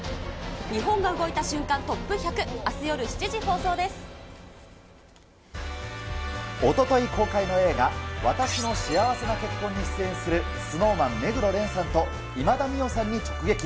日本が動いた瞬間トップおととい公開の映画、わたしの幸せな結婚に出演するＳｎｏｗＭａｎ・目黒蓮さんと今田美桜さんに直撃。